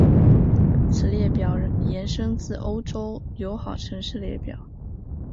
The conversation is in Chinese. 此列表延伸自欧洲友好城市列表。